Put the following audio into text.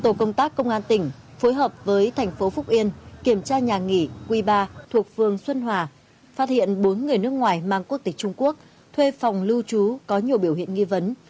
tổ công tác công an tỉnh phối hợp với thành phố phúc yên kiểm tra nhà nghỉ wi thuộc phường xuân hòa phát hiện bốn người nước ngoài mang quốc tịch trung quốc thuê phòng lưu trú có nhiều biểu hiện nghi vấn